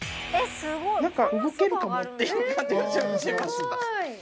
何か動けるかもっていう感じがします